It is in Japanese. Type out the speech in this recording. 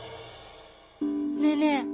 ねえねえ